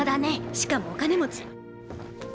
しかもお金持ち。